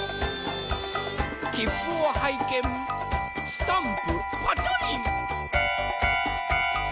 きっぷをはいけんスタンプパチョリン。